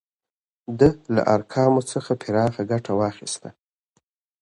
ده له ارقامو څخه پراخه ګټه واخیسته.